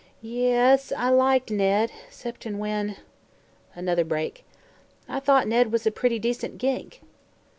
Y e s, I liked Ned, 'ceptin' when " Another break. "I thought Ned was a pretty decent gink."